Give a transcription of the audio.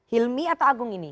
hilmi atau agung ini